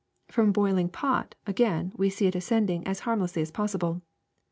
From a boiling pot, again, we see it ascend ing as harmlessly as possible.